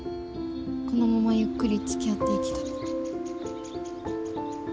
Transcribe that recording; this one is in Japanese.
このままゆっくりつきあっていきたい。